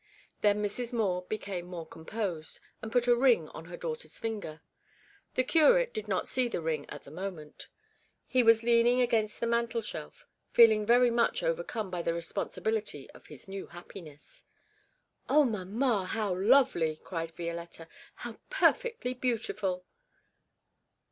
Then Mrs. Moore became more composed, and put a ring on her daughter's finger. The curate did not see the ring at the moment. He was leaning against the mantel shelf, feeling very much overcome by the responsibility of his new happiness. 'Oh, mamma, how lovely!' cried Violetta. 'How perfectly beautiful!'